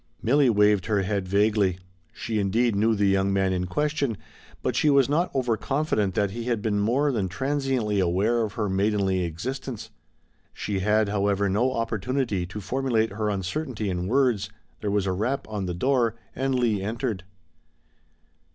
Milly waved her head vaguely. She indeed knew the young man in question, but she was not over confident that he had ever been more than transiently aware of her maidenly existence. She had, however, no opportunity to formulate her uncertainty in words. There was a rap on the door and Leigh entered.